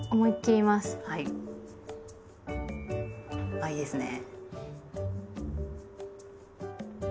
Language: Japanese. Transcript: あいいですねぇ。